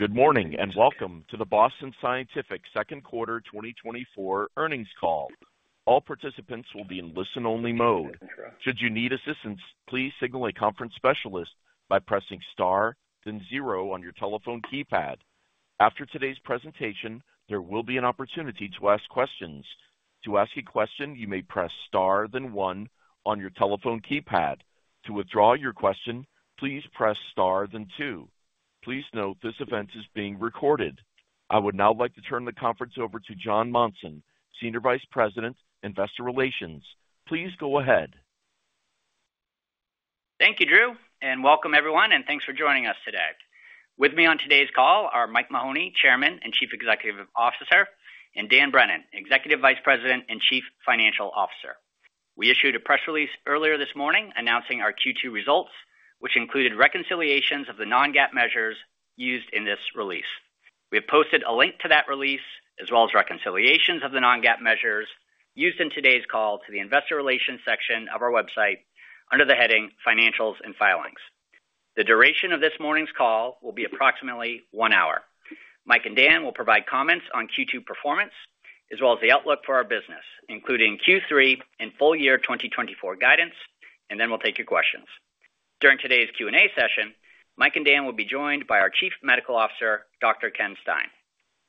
Good morning and welcome to the Boston Scientific Q2 2024 earnings call. All participants will be in listen-only mode. Should you need assistance, please signal a conference specialist by pressing star, then zero on your telephone keypad. After today's presentation, there will be an opportunity to ask questions. To ask a question, you may press star, then one on your telephone keypad. To withdraw your question, please press star, then two. Please note this event is being recorded. I would now like to turn the conference over to Jon Monson, Senior Vice President, Investor Relations. Please go ahead. Thank you, Drew, and welcome everyone, and thanks for joining us today. With me on today's call are Mike Mahoney, Chairman and Chief Executive Officer, and Dan Brennan, Executive Vice President and Chief Financial Officer. We issued a press release earlier this morning announcing our Q2 results, which included reconciliations of the non-GAAP measures used in this release. We have posted a link to that release, as well as reconciliations of the non-GAAP measures used in today's call to the Investor Relations section of our website under the heading Financials and Filings. The duration of this morning's call will be approximately one hour. Mike and Dan will provide comments on Q2 performance, as well as the outlook for our business, including Q3 and full year 2024 guidance, and then we'll take your questions. During today's Q&A session, Mike and Dan will be joined by our Chief Medical Officer, Dr. Ken Stein.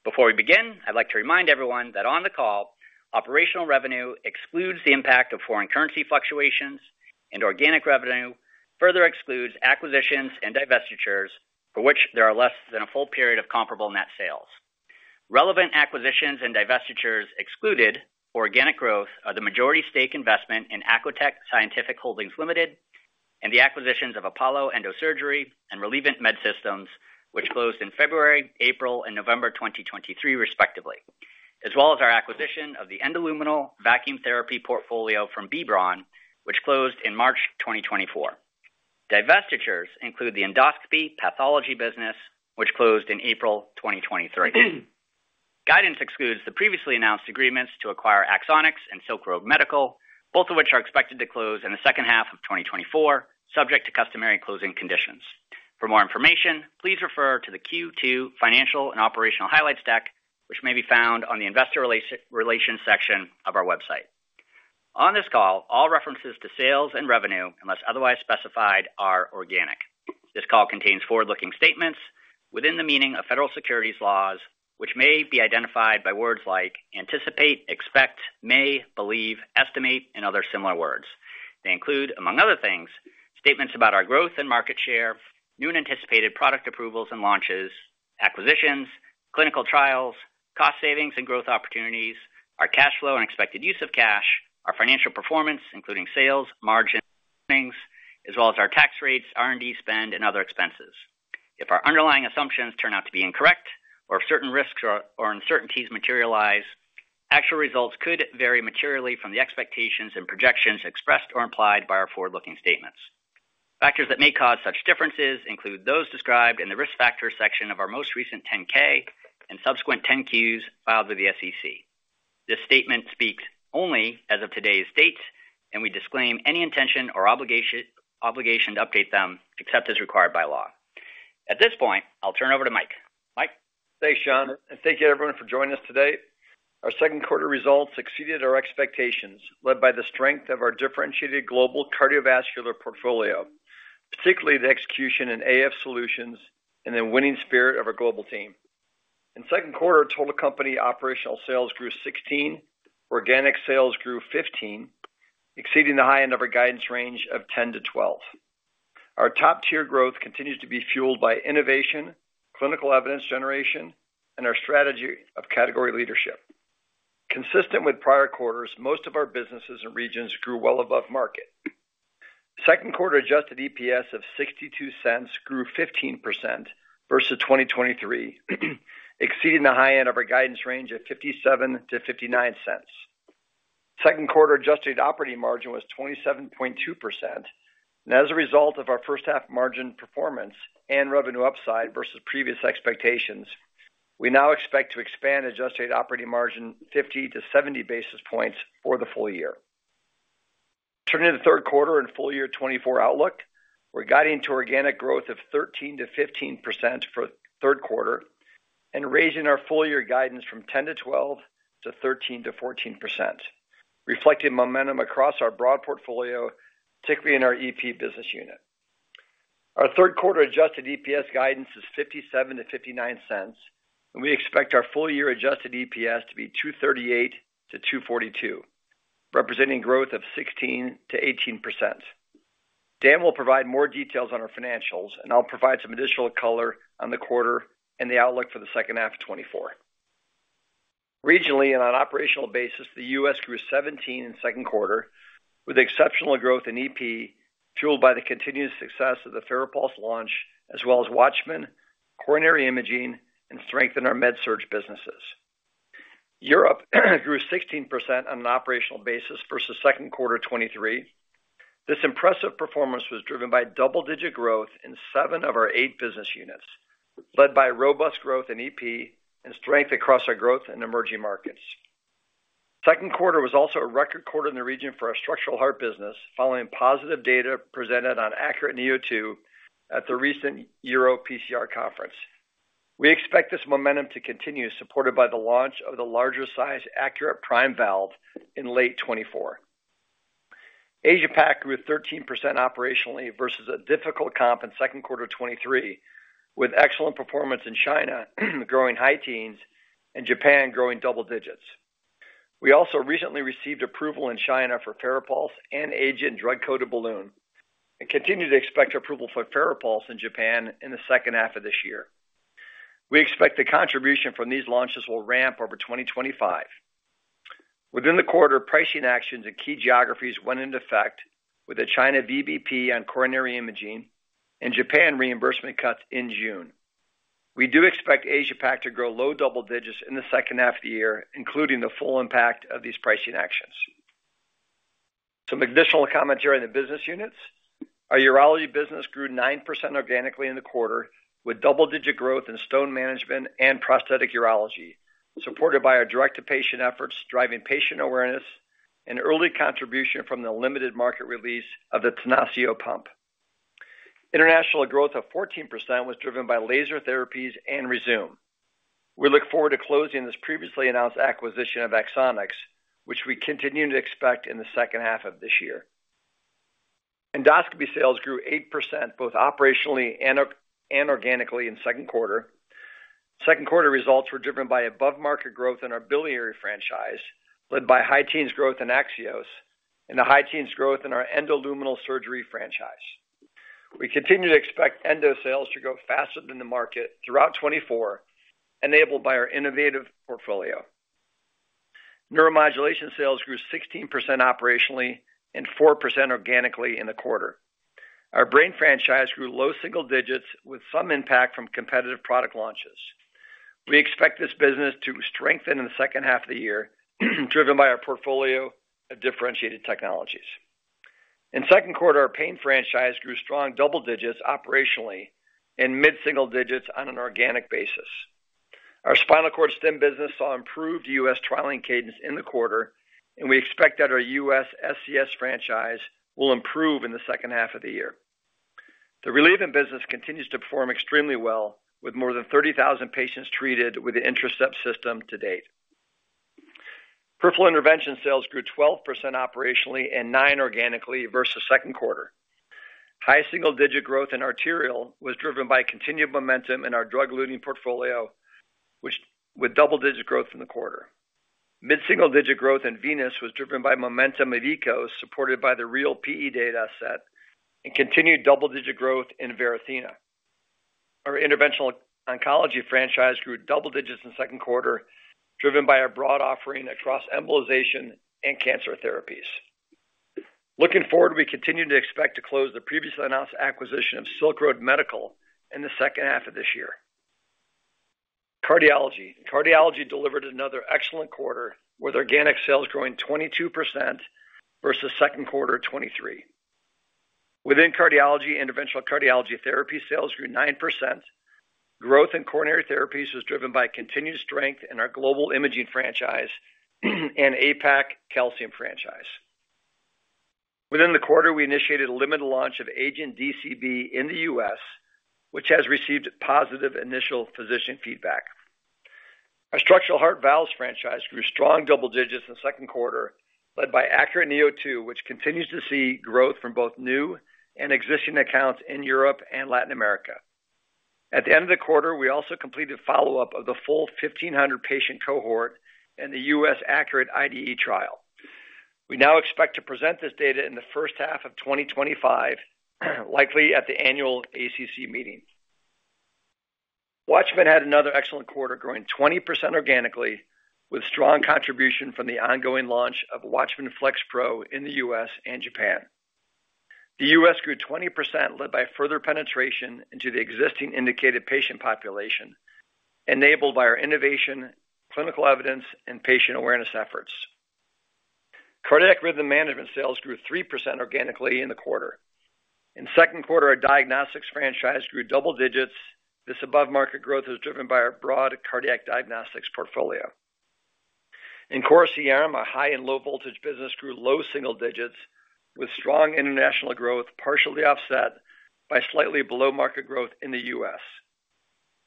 Before we begin, I'd like to remind everyone that on the call, operational revenue excludes the impact of foreign currency fluctuations, and organic revenue further excludes acquisitions and divestitures for which there are less than a full period of comparable net sales. Relevant acquisitions and divestitures excluded organic growth are the majority stake investment in Acotec Scientific Holdings Limited and the acquisitions of Apollo Endosurgery and Relievant Med Systems, which closed in February, April, and November 2023, respectively, as well as our acquisition of the Endoluminal Vacuum Therapy portfolio from B. Braun, which closed in March 2024. Divestitures include the endoscopy pathology business, which closed in April 2023. Guidance excludes the previously announced agreements to acquire Axonics and Silk Road Medical, both of which are expected to close in the second half of 2024, subject to customary closing conditions. For more information, please refer to the Q2 Financial and Operational Highlights deck, which may be found on the Investor Relations section of our website. On this call, all references to sales and revenue, unless otherwise specified, are organic. This call contains forward-looking statements within the meaning of federal securities laws, which may be identified by words like anticipate, expect, may, believe, estimate, and other similar words. They include, among other things, statements about our growth and market share, new and anticipated product approvals and launches, acquisitions, clinical trials, cost savings and growth opportunities, our cash flow and expected use of cash, our financial performance, including sales, margins, as well as our tax rates, R&D spend, and other expenses. If our underlying assumptions turn out to be incorrect or if certain risks or uncertainties materialize, actual results could vary materially from the expectations and projections expressed or implied by our forward-looking statements. Factors that may cause such differences include those described in the risk factor section of our most recent 10-K and subsequent 10-Qs filed with the SEC. This statement speaks only as of today's date, and we disclaim any intention or obligation to update them except as required by law. At this point, I'll turn it over to Mike. Mike. Thanks, Jon. Thank you, everyone, for joining us today. Our Q2 results exceeded our expectations, led by the strength of our differentiated global cardiovascular portfolio, particularly the execution in AF solutions and the winning spirit of our global team. In Q2, total company operational sales grew 16%, organic sales grew 15%, exceeding the high end of our guidance range of 10%-12%. Our top-tier growth continues to be fueled by innovation, clinical evidence generation, and our strategy of category leadership. Consistent with prior quarters, most of our businesses and regions grew well above market. Q2 adjusted EPS of $0.62 grew 15% versus 2023, exceeding the high end of our guidance range of $0.57-$0.59. Q2 adjusted operating margin was 27.2%. As a result of our first-half margin performance and revenue upside versus previous expectations, we now expect to expand adjusted operating margin 50-70 basis points for the full year. Turning to the Q3 and full year 2024 outlook, we're guiding to organic growth of 13%-15% for Q3 and raising our full year guidance from 10%-12% to 13%-14%, reflecting momentum across our broad portfolio, particularly in our EP business unit. Our Q3 adjusted EPS guidance is $0.57-$0.59, and we expect our full year adjusted EPS to be $2.38-$2.42, representing growth of 16%-18%. Dan will provide more details on our financials, and I'll provide some additional color on the quarter and the outlook for the second half of 2024. Regionally, and on an operational basis, the US grew 17% in Q2, with exceptional growth in EP fueled by the continued success of the FARAPULSE launch, as well as WATCHMAN, coronary imaging, and strength in our MedSurg businesses. Europe grew 16% on an operational basis versus Q2 2023. This impressive performance was driven by double-digit growth in seven of our eight business units, led by robust growth in EP and strength across our growth and emerging markets. Q2 was also a record quarter in the region for our structural heart business, following positive data presented on ACURATE neo2 at the recent EuroPCR conference. We expect this momentum to continue, supported by the launch of the larger-sized ACURATE Prime valve in late 2024. Asia-Pac grew 13% operationally versus a difficult comp in Q2 2023, with excellent performance in China, growing high teens, and Japan growing double digits. We also recently received approval in China for FARAPULSE and AGENT Drug-Coated Balloon and continue to expect approval for FARAPULSE in Japan in the second half of this year. We expect the contribution from these launches will ramp over 2025. Within the quarter, pricing actions in key geographies went into effect, with a China VBP on coronary imaging and Japan reimbursement cuts in June. We do expect Asia-Pac to grow low double digits in the second half of the year, including the full impact of these pricing actions. Some additional commentary on the business units. Our urology business grew 9% organically in the quarter, with double-digit growth in stone management and prosthetic urology, supported by our direct-to-patient efforts, driving patient awareness and early contribution from the limited market release of the TENACIO pump. International growth of 14% was driven by laser therapies and Rezūm. We look forward to closing this previously announced acquisition of Axonics, which we continue to expect in the second half of this year. Endoscopy sales grew 8% both operationally and organically in Q2. Q2 results were driven by above-market growth in our biliary franchise, led by high teens growth in AXIOS and the high teens growth in our endoluminal surgery franchise. We continue to expect endo sales to grow faster than the market throughout 2024, enabled by our innovative portfolio. Neuromodulation sales grew 16% operationally and 4% organically in the quarter. Our brain franchise grew low single digits, with some impact from competitive product launches. We expect this business to strengthen in the second half of the year, driven by our portfolio of differentiated technologies. In Q2, our pain franchise grew strong double digits operationally and mid-single digits on an organic basis. Our spinal cord stim business saw improved U.S. trialing cadence in the quarter, and we expect that our U.S. SCS franchise will improve in the second half of the year. The Relievant business continues to perform extremely well, with more than 30,000 patients treated with the Intracept system to date. Peripheral intervention sales grew 12% operationally and 9% organically versus Q2. High single-digit growth in arterial was driven by continued momentum in our drug-loading portfolio, which with double-digit growth in the quarter. Mid-single digit growth in venous was driven by momentum of EKOS, supported by the REAL-PE data set, and continued double-digit growth in Varithena. Our interventional oncology franchise grew double digits in Q2, driven by our broad offering across embolization and cancer therapies. Looking forward, we continue to expect to close the previously announced acquisition of Silk Road Medical in the second half of this year. Cardiology. Cardiology delivered another excellent quarter, with organic sales growing 22% versus Q2 2023. Within cardiology, interventional cardiology therapy sales grew 9%. Growth in coronary therapies was driven by continued strength in our global imaging franchise and APAC calcium franchise. Within the quarter, we initiated a limited launch of AGENT DCB in the US, which has received positive initial physician feedback. Our structural heart valves franchise grew strong double digits in Q2, led by ACURATE neo2, which continues to see growth from both new and existing accounts in Europe and Latin America. At the end of the quarter, we also completed follow-up of the full 1,500 patient cohort and the US ACURATE IDE trial. We now expect to present this data in the first half of 2025, likely at the annual ACC meeting. WATCHMAN FLX Pro had another excellent quarter, growing 20% organically, with strong contribution from the ongoing launch of WATCHMAN FLX Pro in the US and Japan. The US grew 20%, led by further penetration into the existing indicated patient population, enabled by our innovation, clinical evidence, and patient awareness efforts. Cardiac rhythm management sales grew 3% organically in the quarter. In Q2, our diagnostics franchise grew double digits. This above-market growth was driven by our broad cardiac diagnostics portfolio. In core CRM, our high and low voltage business grew low single digits, with strong international growth partially offset by slightly below-market growth in the US.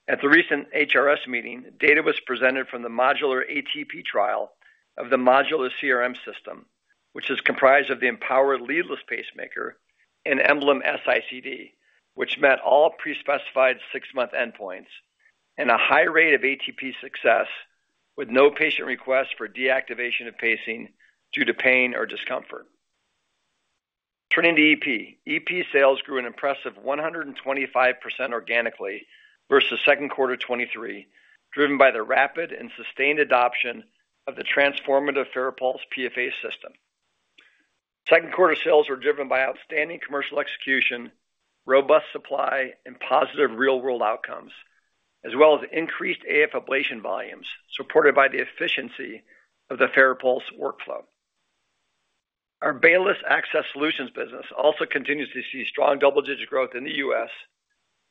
At the recent HRS meeting, data was presented from the MODULAR ATP trial of the modular CRM system, which is comprised of the EMPOWER Leadless Pacemaker and EMBLEM S-ICD, which met all pre-specified six-month endpoints and a high rate of ATP success, with no patient request for deactivation of pacing due to pain or discomfort. Turning to EP, EP sales grew an impressive 125% organically versus Q2 2023, driven by the rapid and sustained adoption of the transformative FARAPULSE PFA system. Q2 sales were driven by outstanding commercial execution, robust supply, and positive real-world outcomes, as well as increased AF ablation volumes, supported by the efficiency of the FARAPULSE workflow. Our Baylis Access Solutions business also continues to see strong double-digit growth in the US,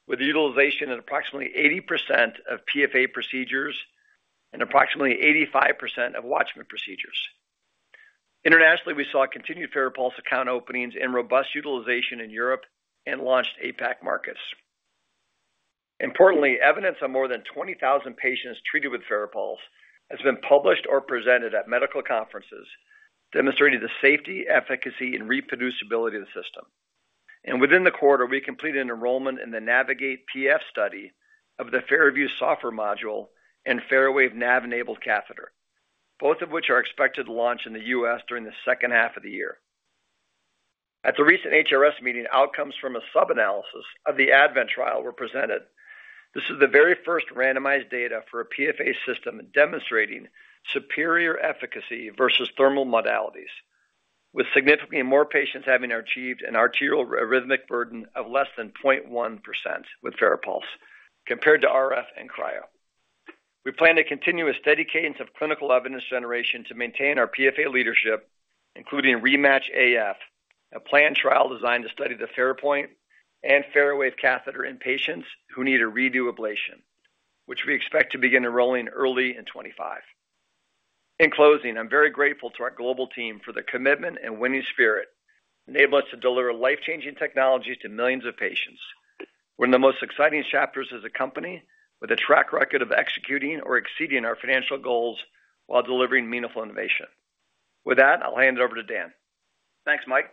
with utilization of approximately 80% of PFA procedures and approximately 85% of WATCHMAN procedures. Internationally, we saw continued FARAPULSE account openings and robust utilization in Europe and launched APAC markets. Importantly, evidence on more than 20,000 patients treated with FARAPULSE has been published or presented at medical conferences, demonstrating the safety, efficacy, and reproducibility of the system. Within the quarter, we completed enrollment in the NAVIGATE-PF study of the FARAVIEW software module and FARAWAVE NAV-enabled catheter, both of which are expected to launch in the US during the second half of the year. At the recent HRS meeting, outcomes from a sub-analysis of the ADVENT trial were presented. This is the very first randomized data for a PFA system demonstrating superior efficacy versus thermal modalities, with significantly more patients having achieved an atrial arrhythmic burden of less than 0.1% with FARAPULSE compared to RF and cryo. We plan to continue a steady cadence of clinical evidence generation to maintain our PFA leadership, including REMATCH-AF, a planned trial designed to study the FARAPOINT and FARAWAVE catheter in patients who need a redo ablation, which we expect to begin enrolling early in 2025. In closing, I'm very grateful to our global team for the commitment and winning spirit that enabled us to deliver life-changing technologies to millions of patients. We're in the most exciting chapters as a company with a track record of executing or exceeding our financial goals while delivering meaningful innovation. With that, I'll hand it over to Dan. Thanks, Mike.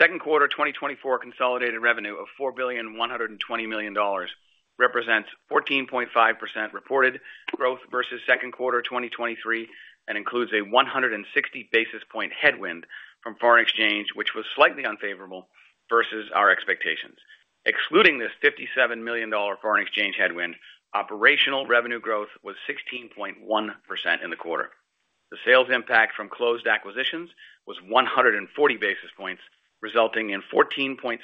Q2 2024 consolidated revenue of $4,120 million represents 14.5% reported growth versus Q2 2023 and includes a 160 basis point headwind from foreign exchange, which was slightly unfavorable versus our expectations. Excluding this $57 million foreign exchange headwind, operational revenue growth was 16.1% in the quarter. The sales impact from closed acquisitions was 140 basis points, resulting in 14.7%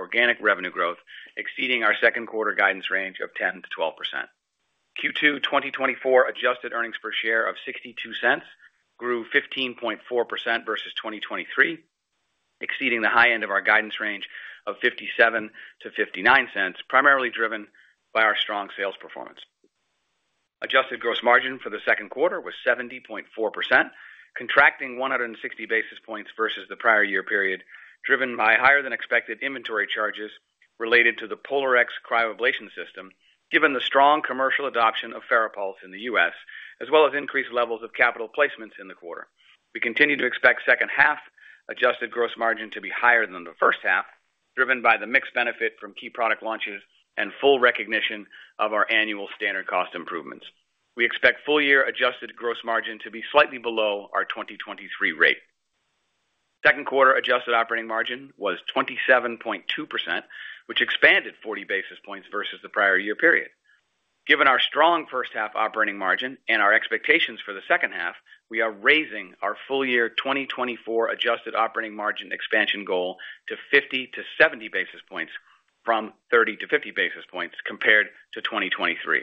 organic revenue growth, exceeding our Q2 guidance range of 10%-12%. Q2 2024 adjusted earnings per share of $0.62 grew 15.4% versus 2023, exceeding the high end of our guidance range of $0.57-$0.59, primarily driven by our strong sales performance. Adjusted gross margin for the Q2 was 70.4%, contracting 160 basis points versus the prior year period, driven by higher-than-expected inventory charges related to the POLARx cryoablation system, given the strong commercial adoption of FARAPULSE in the US, as well as increased levels of capital placements in the quarter. We continue to expect second half adjusted gross margin to be higher than the first half, driven by the mixed benefit from key product launches and full recognition of our annual standard cost improvements. We expect full-year adjusted gross margin to be slightly below our 2023 rate. Q2 adjusted operating margin was 27.2%, which expanded 40 basis points versus the prior year period. Given our strong first half operating margin and our expectations for the second half, we are raising our full-year 2024 adjusted operating margin expansion goal to 50-70 basis points from 30-50 basis points compared to 2023.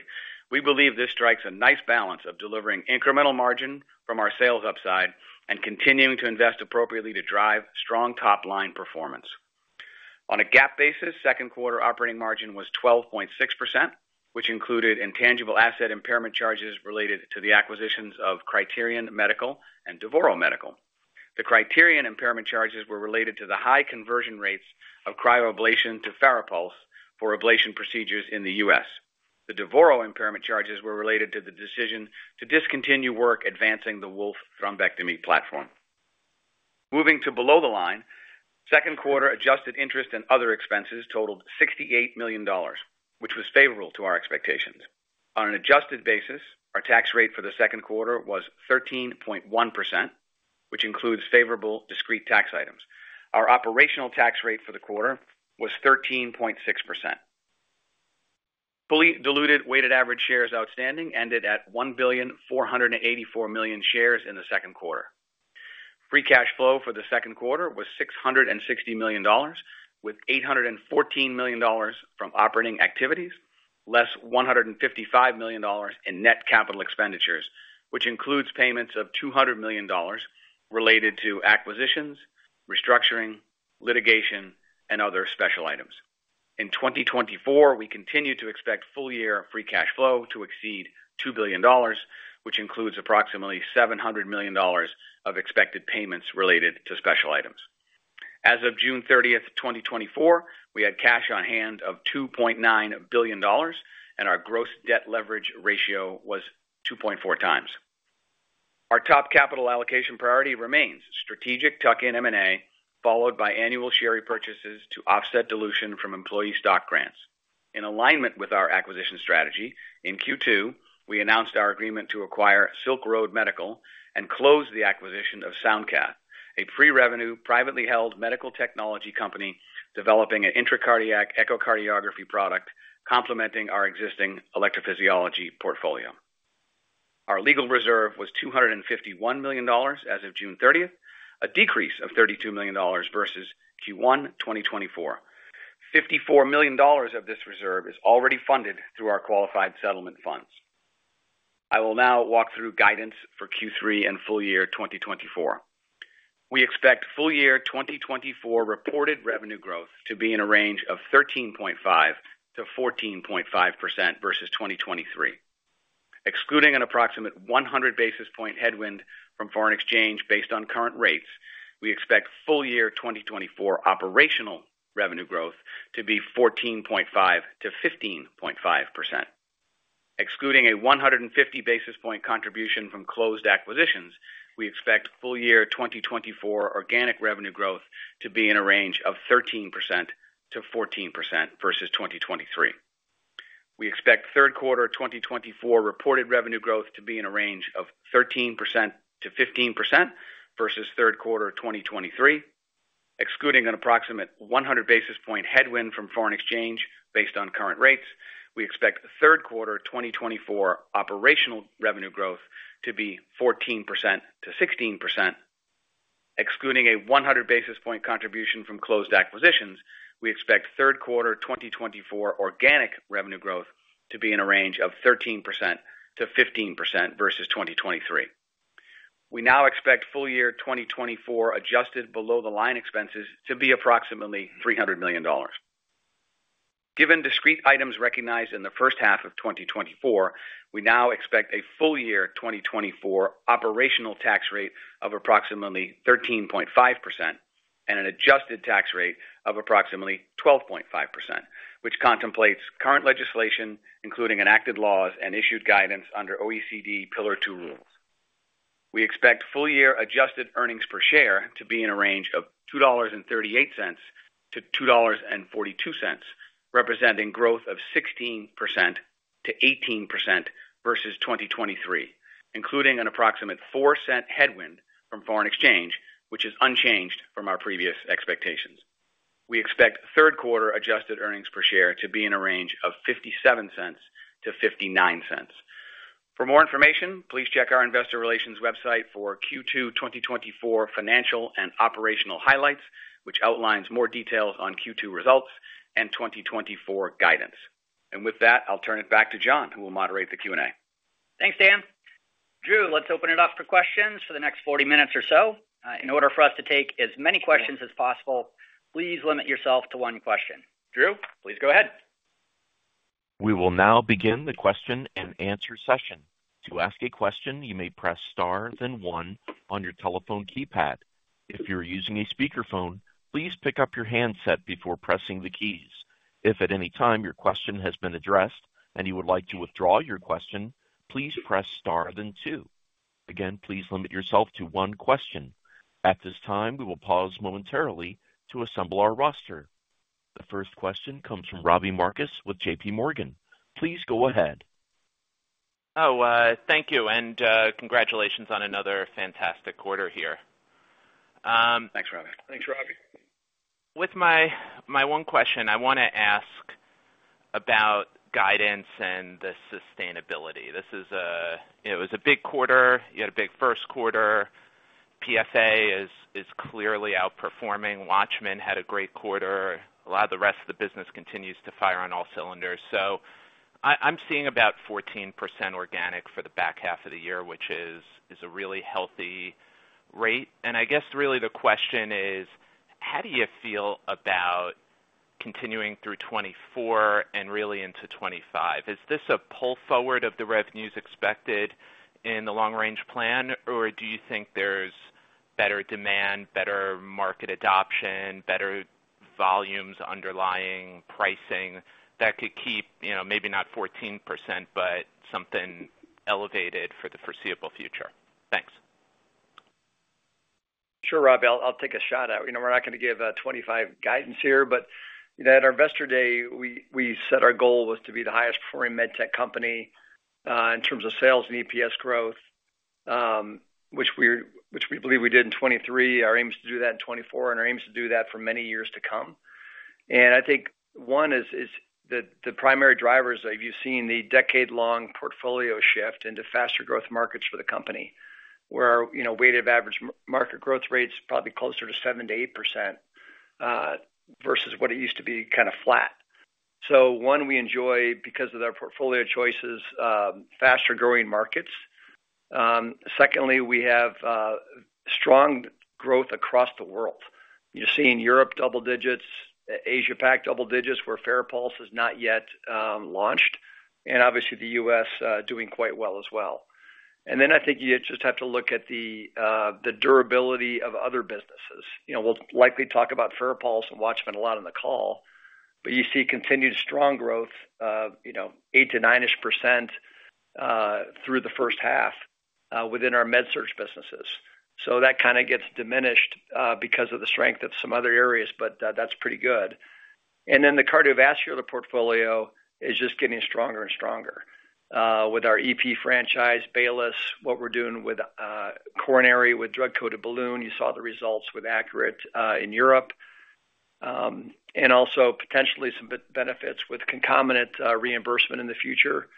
We believe this strikes a nice balance of delivering incremental margin from our sales upside and continuing to invest appropriately to drive strong top-line performance. On a gap basis, Q2 operating margin was 12.6%, which included intangible asset impairment charges related to the acquisitions of Cryterion Medical and Devoro Medical. The Cryterion impairment charges were related to the high conversion rates of cryoablation to FARAPULSE for ablation procedures in the US. The Devoro impairment charges were related to the decision to discontinue work advancing the WOLF Thrombectomy Platform. Moving to below the line, Q2 adjusted interest and other expenses totaled $68 million, which was favorable to our expectations. On an adjusted basis, our tax rate for the Q2 was 13.1%, which includes favorable discrete tax items. Our operational tax rate for the quarter was 13.6%. Fully diluted weighted average shares outstanding ended at 1,484 million shares in the Q2. Free cash flow for the Q2 was $660 million, with $814 million from operating activities, less $155 million in net capital expenditures, which includes payments of $200 million related to acquisitions, restructuring, litigation, and other special items. In 2024, we continue to expect full-year free cash flow to exceed $2 billion, which includes approximately $700 million of expected payments related to special items. As of June 30, 2024, we had cash on hand of $2.9 billion, and our gross debt leverage ratio was 2.4 times. Our top capital allocation priority remains strategic tuck-in M&A, followed by annual share repurchases to offset dilution from employee stock grants. In alignment with our acquisition strategy, in Q2, we announced our agreement to acquire Silk Road Medical and close the acquisition of SoundCath, a pre-revenue privately held medical technology company developing an intracardiac echocardiography product complementing our existing electrophysiology portfolio. Our legal reserve was $251 million as of June 30, a decrease of $32 million versus Q1 2024. $54 million of this reserve is already funded through our qualified settlement funds. I will now walk through guidance for Q3 and full year 2024. We expect full year 2024 reported revenue growth to be in a range of 13.5%-14.5% versus 2023. Excluding an approximate 100 basis point headwind from foreign exchange based on current rates, we expect full year 2024 operational revenue growth to be 14.5%-15.5%. Excluding a 150 basis point contribution from closed acquisitions, we expect full year 2024 organic revenue growth to be in a range of 13%-14% versus 2023. We expect Q3 2024 reported revenue growth to be in a range of 13%-15% versus Q3 2023. Excluding an approximate 100 basis point headwind from foreign exchange based on current rates, we expect Q3 2024 operational revenue growth to be 14%-16%. Excluding a 100 basis point contribution from closed acquisitions, we expect Q3 2024 organic revenue growth to be in a range of 13%-15% versus 2023. We now expect full year 2024 adjusted below the line expenses to be approximately $300 million. Given discrete items recognized in the first half of 2024, we now expect a full year 2024 operational tax rate of approximately 13.5% and an adjusted tax rate of approximately 12.5%, which contemplates current legislation, including enacted laws and issued guidance under OECD Pillar 2 rules. We expect full year adjusted earnings per share to be in a range of $2.38-$2.42, representing growth of 16%-18% versus 2023, including an approximate 4% headwind from foreign exchange, which is unchanged from our previous expectations. We expect Q3 adjusted earnings per share to be in a range of $0.57-$0.59. For more information, please check our investor relations website for Q2 2024 financial and operational highlights, which outlines more details on Q2 results and 2024 guidance. And with that, I'll turn it back to John, who will moderate the Q&A. Thanks, Dan. Drew, let's open it up for questions for the next 40 minutes or so. In order for us to take as many questions as possible, please limit yourself to one question. Drew, please go ahead. We will now begin the question and answer session. To ask a question, you may press star then one on your telephone keypad. If you're using a speakerphone, please pick up your handset before pressing the keys. If at any time your question has been addressed and you would like to withdraw your question, please press star then two. Again, please limit yourself to one question. At this time, we will pause momentarily to assemble our roster. The first question comes from Robbie Marcus with J.P. Morgan. Please go ahead. Oh, thank you. And congratulations on another fantastic quarter here. Thanks, Robbie. Thanks, Robbie. With my one question, I want to ask about guidance and the sustainability. This was a big quarter. You had a big Q1. PFA is clearly outperforming. WATCHMAN had a great quarter. A lot of the rest of the business continues to fire on all cylinders. So I'm seeing about 14% organic for the back half of the year, which is a really healthy rate. And I guess really the question is, how do you feel about continuing through 2024 and really into 2025? Is this a pull forward of the revenues expected in the long-range plan, or do you think there's better demand, better market adoption, better volumes underlying pricing that could keep maybe not 14%, but something elevated for the foreseeable future? Thanks. Sure, Robbie. I'll take a shot at it. We're not going to give a 2025 guidance here, but at our investor day, we set our goal to be the highest-performing med tech company in terms of sales and EPS growth, which we believe we did in 2023. Our aim is to do that in 2024, and our aim is to do that for many years to come. And I think one is the primary drivers that you've seen the decade-long portfolio shift into faster growth markets for the company, where weighted average market growth rate is probably closer to 7%-8% versus what it used to be kind of flat. So one, we enjoy, because of their portfolio choices, faster-growing markets. Secondly, we have strong growth across the world. You're seeing Europe double digits, Asia-Pac double digits, where FARAPULSE is not yet launched, and obviously the US doing quite well as well. And then I think you just have to look at the durability of other businesses. We'll likely talk about FARAPULSE and WATCHMAN a lot in the call, but you see continued strong growth of 8%-9%ish through the first half within our med search businesses. So that kind of gets diminished because of the strength of some other areas, but that's pretty good. And then the cardiovascular portfolio is just getting stronger and stronger with our EP franchise, Baylis, what we're doing with coronary with drug-coated balloon. You saw the results with ACURATE in Europe, and also potentially some benefits with concomitant reimbursement in the future.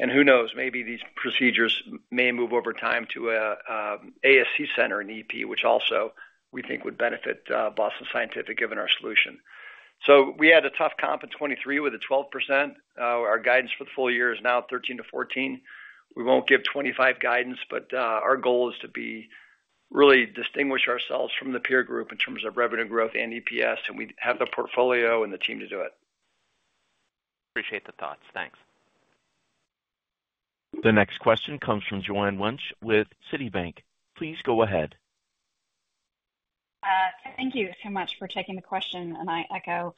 And who knows, maybe these procedures may move over time to an ASC center in EP, which also we think would benefit Boston Scientific given our solution. So we had a tough comp in 2023 with a 12%. Our guidance for the full year is now 13 to 14. We won't give 25 guidance, but our goal is to really distinguish ourselves from the peer group in terms of revenue growth and EPS, and we have the portfolio and the team to do it. Appreciate the thoughts. Thanks. The next question comes from Joanne Wuensch with Citibank. Please go ahead. Thank you so much for taking the question, and I echo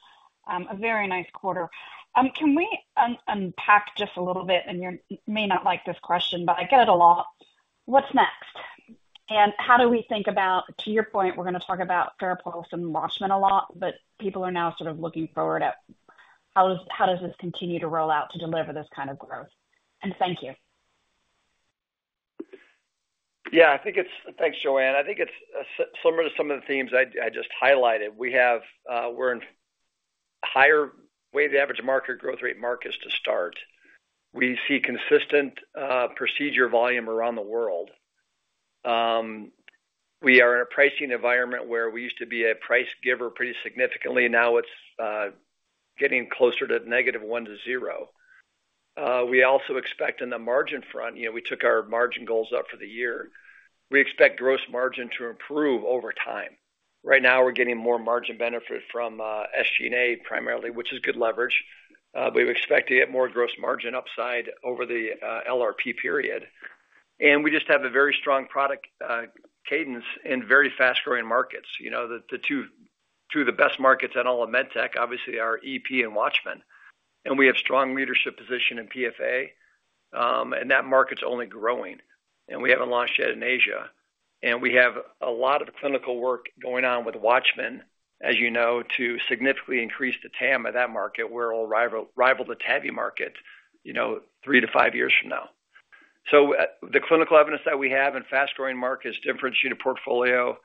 a very nice quarter. Can we unpack just a little bit? And you may not like this question, but I get it a lot. What's next? And how do we think about, to your point, we're going to talk about FARAPULSE and WATCHMAN a lot, but people are now sort of looking forward at how does this continue to roll out to deliver this kind of growth? And thank you. Yeah, I think it's thanks, Joanne. I think it's similar to some of the themes I just highlighted. We're in higher weighted average market growth rate markets to start. We see consistent procedure volume around the world. We are in a pricing environment where we used to be a price giver pretty significantly. Now it's getting closer to -1% to 0%. We also expect on the margin front, we took our margin goals up for the year. We expect gross margin to improve over time. Right now, we're getting more margin benefit from SG&A primarily, which is good leverage. We expect to get more gross margin upside over the LRP period. And we just have a very strong product cadence in very fast-growing markets. The two of the best markets in all of med tech, obviously, are EP and WATCHMAN. And we have strong leadership position in PFA, and that market's only growing. We haven't launched yet in Asia. We have a lot of clinical work going on with WATCHMAN, as you know, to significantly increase the TAM of that market. We're a rival to TAVI market 3-5 years from now. So the clinical evidence that we have in fast-growing markets differentiated portfolio,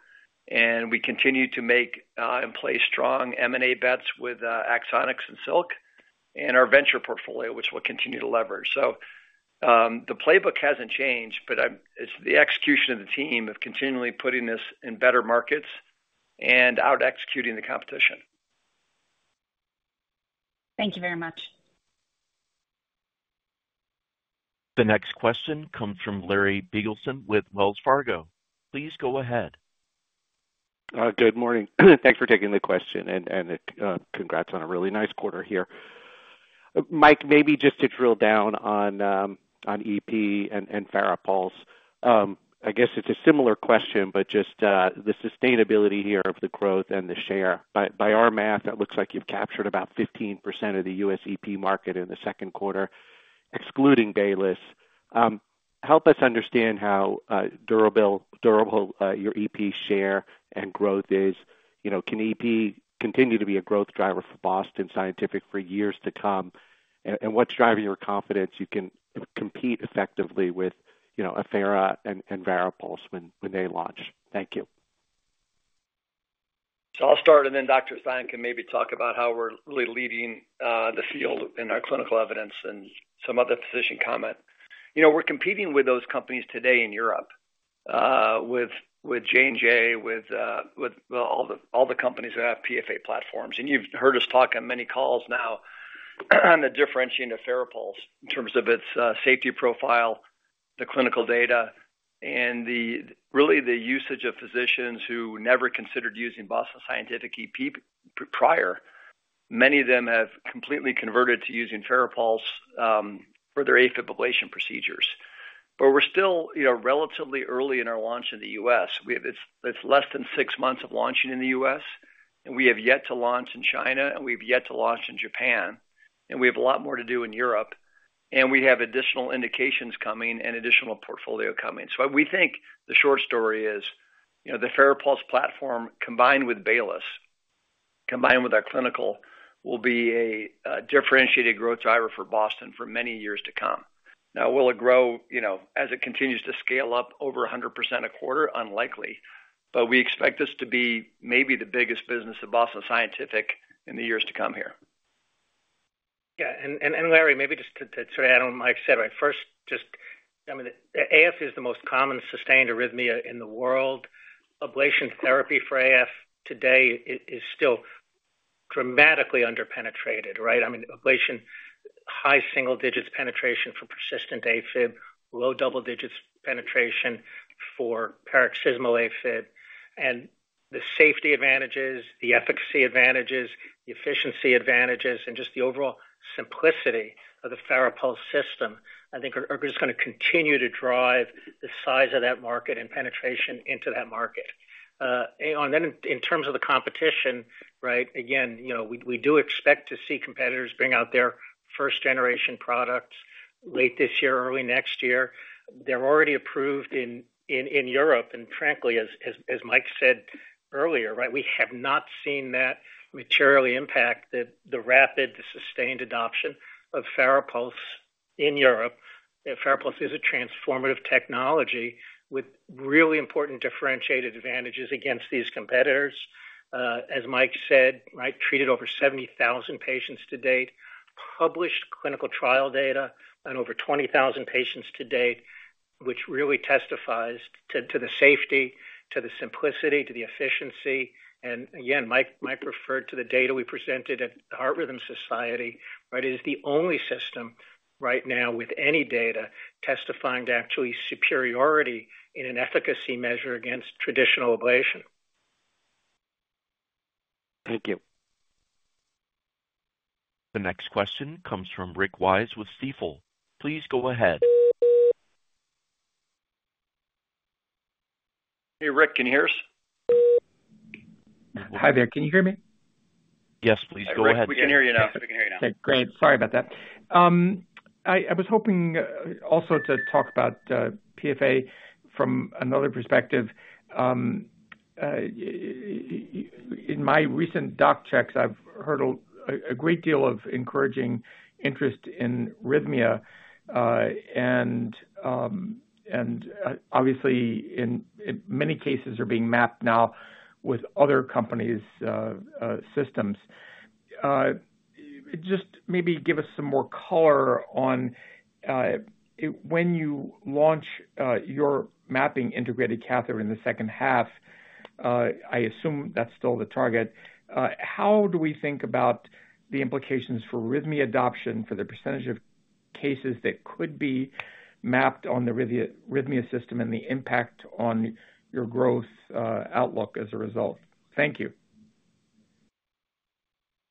and we continue to make and play strong M&A bets with Axonics and Silk in our venture portfolio, which we'll continue to leverage. So the playbook hasn't changed, but it's the execution of the team of continually putting this in better markets and out-executing the competition. Thank you very much. The next question comes from Larry Biegelsen with Wells Fargo. Please go ahead. Good morning. Thanks for taking the question, and congrats on a really nice quarter here. Mike, maybe just to drill down on EP and FARAPULSE. I guess it's a similar question, but just the sustainability here of the growth and the share. By our math, it looks like you've captured about 15% of the US EP market in the Q2, excluding Baylis. Help us understand how durable your EP share and growth is. Can EP continue to be a growth driver for Boston Scientific for years to come? And what's driving your confidence you can compete effectively with Affera and VARIPULSE when they launch? Thank you. So I'll start, and then Dr. Stein can maybe talk about how we're really leading the field in our clinical evidence and some other physician comment. We're competing with those companies today in Europe, with J&J, with all the companies that have PFA platforms. You've heard us talk on many calls now on the differentiating of FARAPULSE in terms of its safety profile, the clinical data, and really the usage of physicians who never considered using Boston Scientific EP prior. Many of them have completely converted to using FARAPULSE for their AFib ablation procedures. But we're still relatively early in our launch in the US. It's less than six months of launching in the US, and we have yet to launch in China, and we've yet to launch in Japan. And we have a lot more to do in Europe, and we have additional indications coming and additional portfolio coming. So we think the short story is the FARAPULSE platform combined with Baylis, combined with our clinical, will be a differentiated growth driver for Boston for many years to come. Now, will it grow as it continues to scale up over 100% a quarter? Unlikely. But we expect this to be maybe the biggest business of Boston Scientific in the years to come here. Yeah. And Larry, maybe just to sort of add on what Mike said. First, just AF is the most common sustained arrhythmia in the world. Ablation therapy for AF today is still dramatically underpenetrated, right? I mean, ablation, high single digits penetration for persistent AFib, low double digits penetration for paroxysmal AFib. And the safety advantages, the efficacy advantages, the efficiency advantages, and just the overall simplicity of the FARAPULSE system, I think are just going to continue to drive the size of that market and penetration into that market. And then in terms of the competition, right, again, we do expect to see competitors bring out their first-generation products late this year, early next year. They're already approved in Europe. And frankly, as Mike said earlier, right, we have not seen that materially impact the rapid, the sustained adoption of FARAPULSE in Europe. FARAPULSE is a transformative technology with really important differentiated advantages against these competitors. As Mike said, right, treated over 70,000 patients to date, published clinical trial data on over 20,000 patients to date, which really testifies to the safety, to the simplicity, to the efficiency. And again, Mike referred to the data we presented at Heart Rhythm Society, right, it is the only system right now with any data testifying to actually superiority in an efficacy measure against traditional ablation. Thank you. The next question comes from Rick Wise with Stifel. Please go ahead. Hey, Rick, can you hear us? Hi there. Can you hear me? Yes, please go ahead. We can hear you now. We can hear you now. Okay. Great. Sorry about that. I was hoping also to talk about PFA from another perspective. In my recent doc checks, I've heard a great deal of encouraging interest in FARAPULSE, and obviously, in many cases, are being mapped now with other companies' systems. Just maybe give us some more color on when you launch your mapping integrated catheter in the second half. I assume that's still the target. How do we think about the implications for FARAPULSE adoption, for the percentage of cases that could be mapped on the FARAPULSE system and the impact on your growth outlook as a result? Thank you.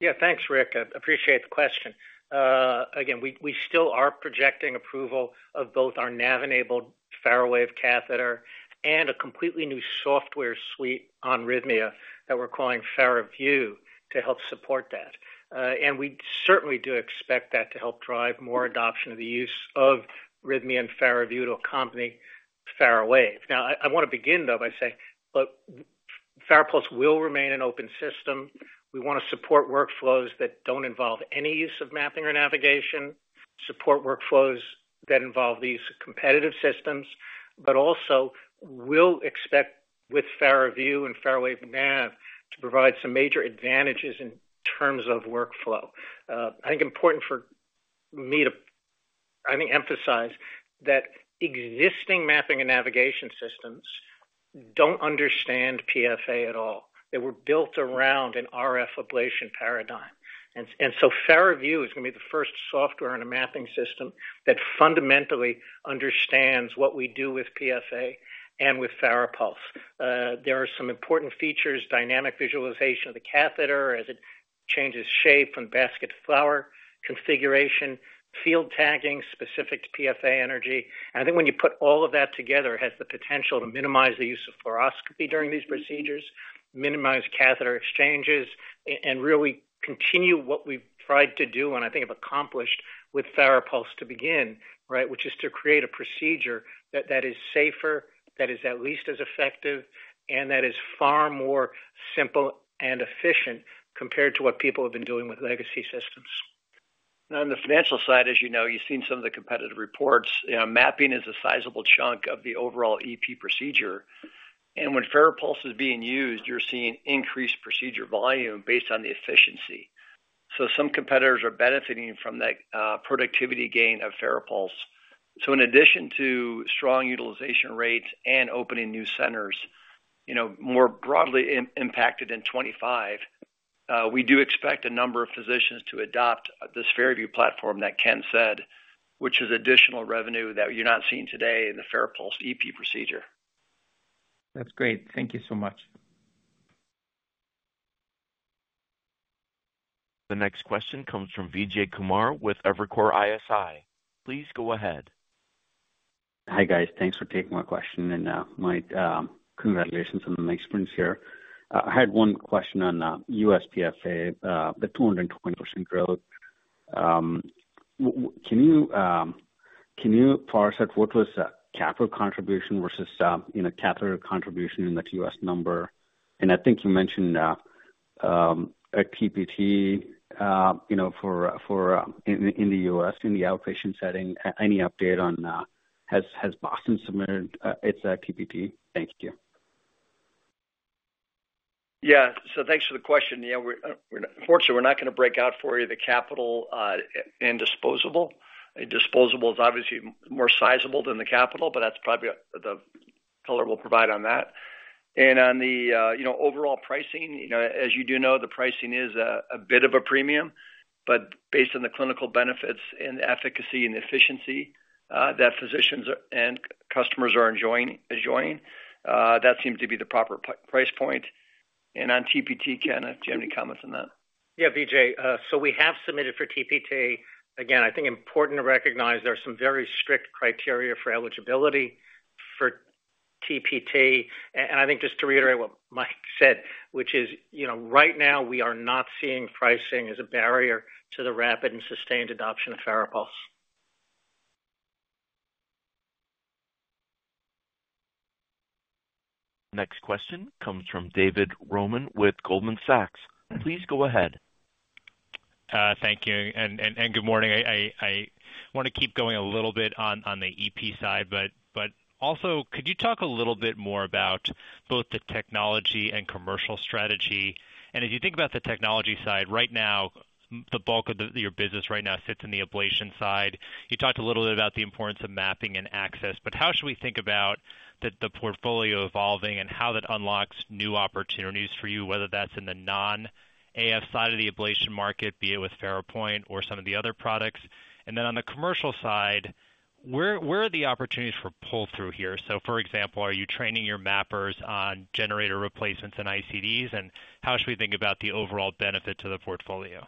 Yeah, thanks, Rick. I appreciate the question. Again, we still are projecting approval of both our Nav-enabled FARAWAVE catheter and a completely new software suite on FARAPULSE that we're calling FARAVIEW to help support that. We certainly do expect that to help drive more adoption of the use of arrhythmia mapping and FARAVIEW to accompany FARAWAVE. Now, I want to begin, though, by saying FARAPULSE will remain an open system. We want to support workflows that don't involve any use of mapping or navigation, support workflows that involve the use of competitive systems, but also will expect with FARAVIEW and FARAWAVE NAV to provide some major advantages in terms of workflow. I think it's important for me to emphasize that existing mapping and navigation systems don't understand PFA at all. They were built around an RF ablation paradigm. And so FARAVIEW is going to be the first software and mapping system that fundamentally understands what we do with PFA and with FARAPULSE. There are some important features, dynamic visualization of the catheter as it changes shape from basket to flower configuration, field tagging specific to PFA energy. And I think when you put all of that together, it has the potential to minimize the use of fluoroscopy during these procedures, minimize catheter exchanges, and really continue what we've tried to do, and I think have accomplished with FARAPULSE to begin, right, which is to create a procedure that is safer, that is at least as effective, and that is far more simple and efficient compared to what people have been doing with legacy systems. On the financial side, as you know, you've seen some of the competitive reports. Mapping is a sizable chunk of the overall EP procedure. And when FARAPULSE is being used, you're seeing increased procedure volume based on the efficiency. So some competitors are benefiting from that productivity gain of FARAPULSE. So in addition to strong utilization rates and opening new centers, more broadly impacted in 2025, we do expect a number of physicians to adopt this FARAVIEW platform that Ken said, which is additional revenue that you're not seeing today in the FARAPULSE EP procedure. That's great. Thank you so much. The next question comes from Vijay Kumar with Evercore ISI. Please go ahead. Hi guys. Thanks for taking my question. And my congratulations on the experience here. I had one question on US PFA, the 220% growth. Can you parse out what was catheter contribution versus summed in a catheter contribution in the US number? And I think you mentioned a TPT for in the US, in the outpatient setting. Any update on has Boston submitted its TPT? Thank you. Yeah. So thanks for the question. Fortunately, we're not going to break out for you the capital and disposable. Disposable is obviously more sizable than the capital, but that's probably the color we'll provide on that. And on the overall pricing, as you do know, the pricing is a bit of a premium, but based on the clinical benefits and efficacy and efficiency that physicians and customers are enjoying, that seems to be the proper price point. And on TPT, Ken, if you have any comments on that. Yeah, Vijay. So we have submitted for TPT. Again, I think important to recognize there are some very strict criteria for eligibility for TPT. And I think just to reiterate what Mike said, which is right now we are not seeing pricing as a barrier to the rapid and sustained adoption of FARAPULSE. Next question comes from David Roman with Goldman Sachs. Please go ahead. Thank you. Good morning. I want to keep going a little bit on the EP side, but also could you talk a little bit more about both the technology and commercial strategy? As you think about the technology side, right now, the bulk of your business right now sits in the ablation side. You talked a little bit about the importance of mapping and access, but how should we think about the portfolio evolving and how that unlocks new opportunities for you, whether that's in the non-AF side of the ablation market, be it with FARAPOINT or some of the other products? Then on the commercial side, where are the opportunities for pull-through here? So for example, are you training your mappers on generator replacements and ICDs? And how should we think about the overall benefit to the portfolio?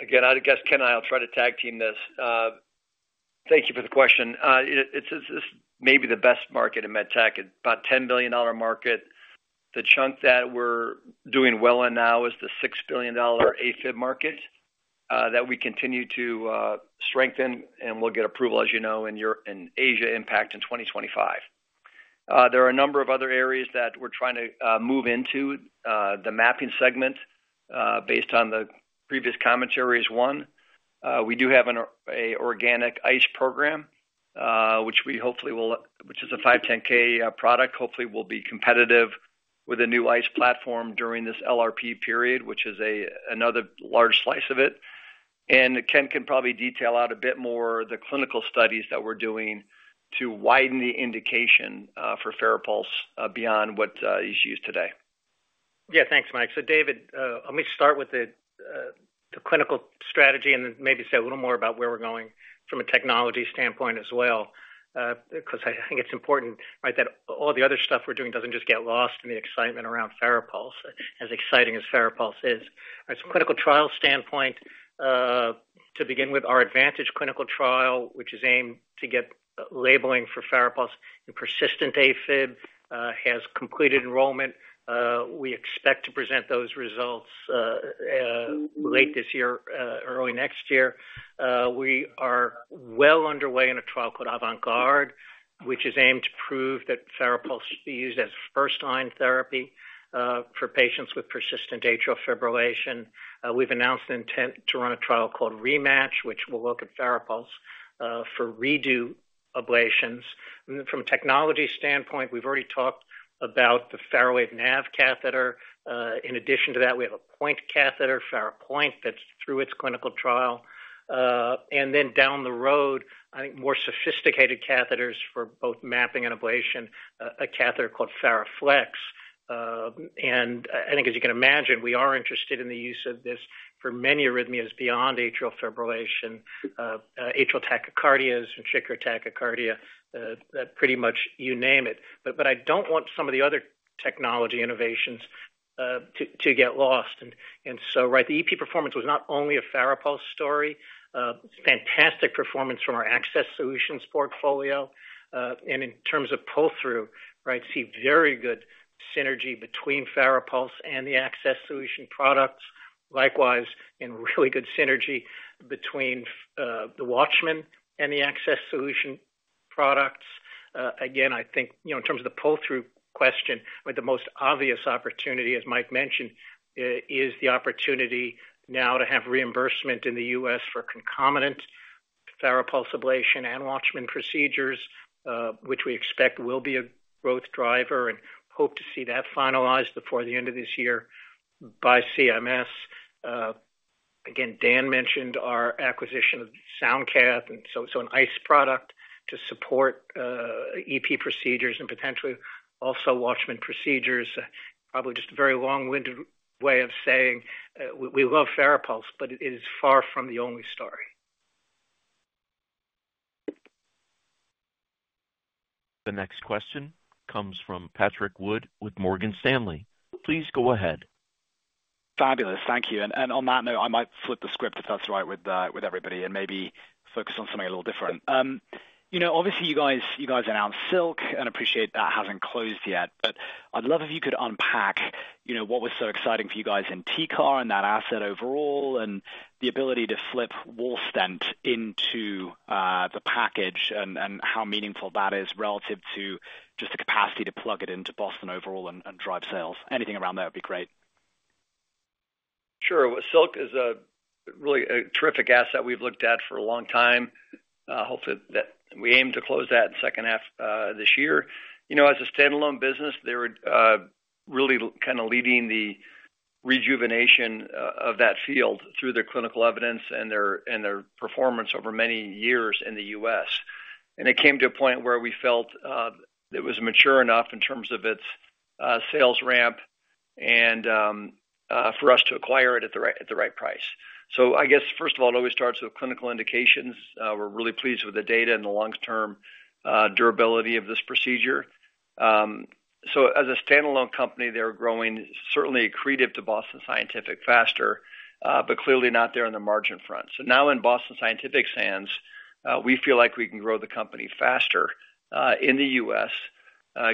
Again, I guess, Ken, I'll try to tag team this. Thank you for the question. This is maybe the best market in med tech, about $10 billion market. The chunk that we're doing well in now is the $6 billion AFib market that we continue to strengthen, and we'll get approval, as you know, in Asia-Pac in 2025. There are a number of other areas that we're trying to move into the mapping segment based on the previous commentary is one. We do have an organic ICE program, which we hopefully will, which is a 510(k) product. Hopefully, we'll be competitive with a new ICE platform during this LRP period, which is another large slice of it. And Ken can probably detail out a bit more the clinical studies that we're doing to widen the indication for FARAPULSE beyond what is used today. Yeah, thanks, Mike. So David, let me start with the clinical strategy and then maybe say a little more about where we're going from a technology standpoint as well, because I think it's important that all the other stuff we're doing doesn't just get lost in the excitement around FARAPULSE, as exciting as FARAPULSE is. From a clinical trial standpoint, to begin with, our ADVENT clinical trial, which is aimed to get labeling for FARAPULSE in persistent AFib, has completed enrollment. We expect to present those results late this year, early next year. We are well underway in a trial called AVANT GUARD, which is aimed to prove that FARAPULSE will be used as first-line therapy for patients with persistent atrial fibrillation. We've announced an intent to run a trial called REMATCH-AF, which will look at FARAPULSE for redo ablations. From a technology standpoint, we've already talked about the FARAWAVE NAV catheter. In addition to that, we have a point catheter, FARAPOINT, that's through its clinical trial. And then down the road, I think more sophisticated catheters for both mapping and ablation, a catheter called FARAFLEX. And I think, as you can imagine, we are interested in the use of this for many arrhythmias beyond atrial fibrillation, atrial tachycardias, ventricular tachycardia, pretty much you name it. But I don't want some of the other technology innovations to get lost. And so, right, the EP performance was not only a FARAPULSE story. It's fantastic performance from our access solutions portfolio. And in terms of pull-through, right, see very good synergy between FARAPULSE and the access solution products. Likewise, in really good synergy between the WATCHMAN and the access solution products. Again, I think in terms of the pull-through question, the most obvious opportunity, as Mike mentioned, is the opportunity now to have reimbursement in the US for concomitant FARAPULSE ablation and WATCHMAN procedures, which we expect will be a growth driver and hope to see that finalized before the end of this year by CMS. Again, Dan mentioned our acquisition of SoundCath and so an ICE product to support EP procedures and potentially also WATCHMAN procedures. Probably just a very long-winded way of saying we love FARAPULSE, but it is far from the only story. The next question comes from Patrick Wood with Morgan Stanley. Please go ahead. Fabulous. Thank you. And on that note, I might flip the script, if that's all right with everybody, and maybe focus on something a little different. Obviously, you guys announced Silk and appreciate that hasn't closed yet, but I'd love if you could unpack what was so exciting for you guys in TCAR and that asset overall and the ability to flip WALLSTENT into the package and how meaningful that is relative to just the capacity to plug it into Boston overall and drive sales. Anything around that would be great. Sure. Silk is really a terrific asset we've looked at for a long time. Hopefully, we aim to close that in the second half of this year. As a standalone business, they were really kind of leading the rejuvenation of that field through their clinical evidence and their performance over many years in the U.S. And it came to a point where we felt it was mature enough in terms of its sales ramp and for us to acquire it at the right price. So I guess, first of all, it always starts with clinical indications. We're really pleased with the data and the long-term durability of this procedure. So as a standalone company, they're growing certainly accretive to Boston Scientific faster, but clearly not there on the margin front. So now in Boston Scientific's hands, we feel like we can grow the company faster in the U.S.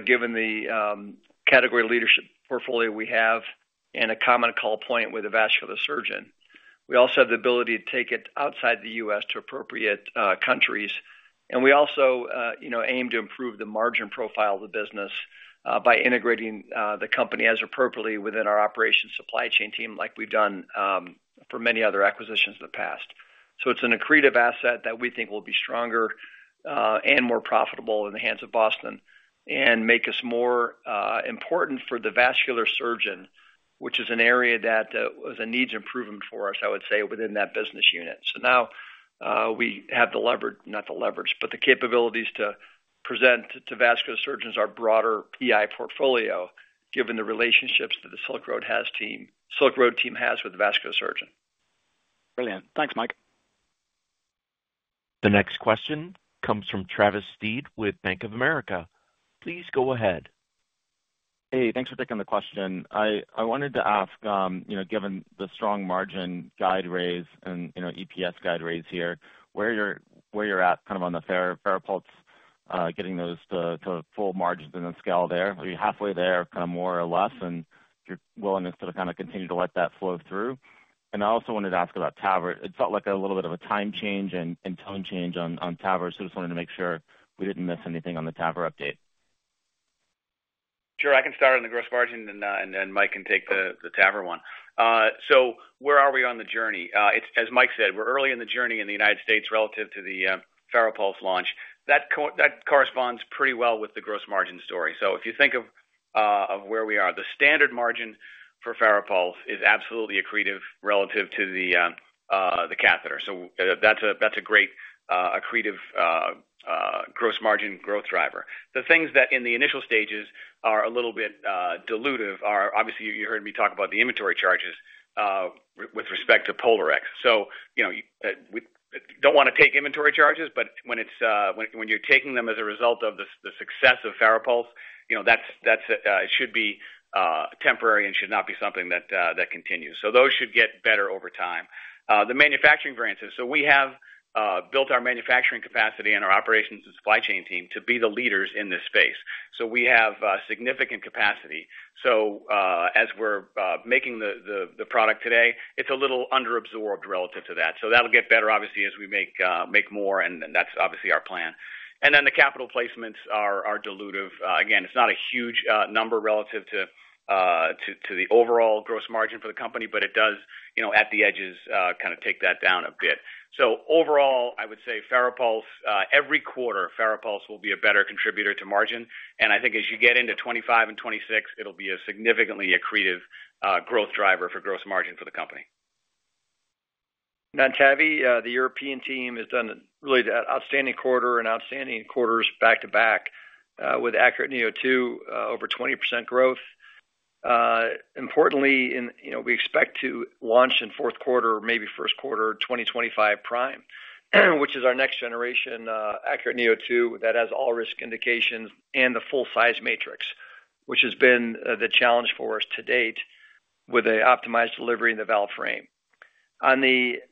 given the category leadership portfolio we have and a common call point with a vascular surgeon. We also have the ability to take it outside the U.S. to appropriate countries. And we also aim to improve the margin profile of the business by integrating the company as appropriately within our operation supply chain team like we've done for many other acquisitions in the past. So it's an accretive asset that we think will be stronger and more profitable in the hands of Boston and make us more important for the vascular surgeon, which is an area that needs improvement for us, I would say, within that business unit. So now we have the leverage, not the leverage, but the capabilities to present to vascular surgeons our broader PI portfolio given the relationships that the Silk Road team has with the vascular surgeon. Brilliant. Thanks, Mike. The next question comes from Travis Steed with Bank of America. Please go ahead. Hey, thanks for taking the question. I wanted to ask, given the strong margin guide raise and EPS guide raise here, where you're at kind of on the FARAPULSE getting those to full margins in the scale there? Are you halfway there, kind of more or less, and your willingness to kind of continue to let that flow through? And I also wanted to ask about TAVR. It felt like a little bit of a time change and tone change on TAVR. So I just wanted to make sure we didn't miss anything on the TAVR update. Sure. I can start on the gross margin, and then Mike can take the TAVR one. So where are we on the journey? As Mike said, we're early in the journey in the United States relative to the FARAPULSE launch. That corresponds pretty well with the gross margin story. So if you think of where we are, the standard margin for FARAPULSE is absolutely accretive relative to the catheter. So that's a great accretive gross margin growth driver. The things that in the initial stages are a little bit dilutive are, obviously, you heard me talk about the inventory charges with respect to POLARx. So we don't want to take inventory charges, but when you're taking them as a result of the success of FARAPULSE, that should be temporary and should not be something that continues. So those should get better over time. The manufacturing variances. So we have built our manufacturing capacity and our operations and supply chain team to be the leaders in this space. So we have significant capacity. So as we're making the product today, it's a little underabsorbed relative to that. So that'll get better, obviously, as we make more, and that's obviously our plan. And then the capital placements are dilutive. Again, it's not a huge number relative to the overall gross margin for the company, but it does, at the edges, kind of take that down a bit. So overall, I would say FARAPULSE, every quarter, FARAPULSE will be a better contributor to margin. And I think as you get into 2025 and 2026, it'll be a significantly accretive growth driver for gross margin for the company. And TAVI, the European team has done really outstanding quarter and outstanding quarters back to back with ACURATE neo2 over 20% growth. Importantly, we expect to launch in Q4, maybe Q1, 2025 Prime, which is our next generation ACURATE neo2 that has all risk indications and the full-size matrix, which has been the challenge for us to date with the optimized delivery in the valve frame.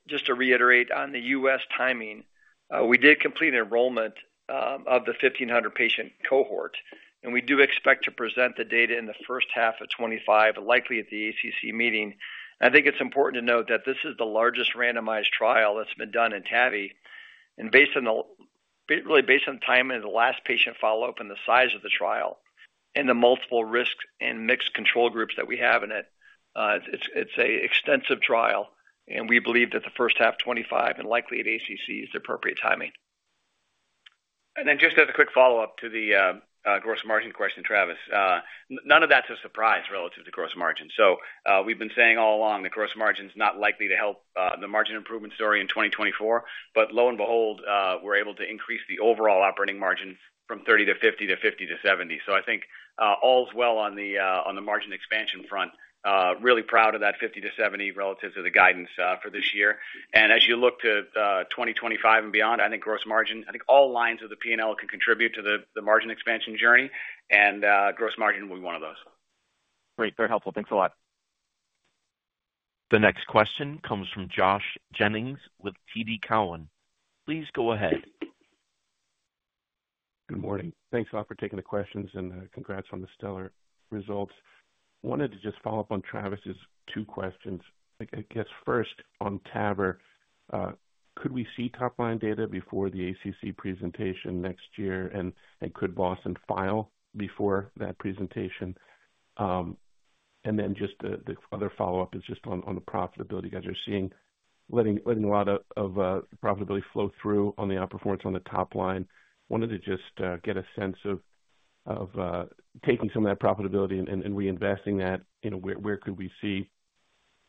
Just to reiterate, on the US timing, we did complete enrollment of the 1,500-patient cohort, and we do expect to present the data in the first half of 2025, likely at the ACC meeting. I think it's important to note that this is the largest randomized trial that's been done in TAVI. Really based on the time and the last patient follow-up and the size of the trial and the multiple risks and mixed control groups that we have in it, it's an extensive trial, and we believe that the first half of 2025 and likely at ACC is the appropriate timing. Then just as a quick follow-up to the gross margin question, Travis, none of that's a surprise relative to gross margin. So we've been saying all along that gross margin is not likely to help the margin improvement story in 2024, but lo and behold, we're able to increase the overall operating margin from 30% to 50% to 50% to 70%. So I think all's well on the margin expansion front. Really proud of that 50%-70% relative to the guidance for this year. And as you look to 2025 and beyond, I think gross margin, I think all lines of the P&L can contribute to the margin expansion journey, and gross margin will be one of those. Great. Very helpful. Thanks a lot. The next question comes from Josh Jennings with TD Cowen. Please go ahead. Good morning. Thanks a lot for taking the questions and congrats on the stellar results. Wanted to just follow up on Travis's two questions. I guess first on TAVR, could we see top-line data before the ACC presentation next year, and could Boston file before that presentation? And then just the other follow-up is just on the profitability you guys are seeing, letting a lot of profitability flow through on the outperformance on the top line. Wanted to just get a sense of taking some of that profitability and reinvesting that. Where could we see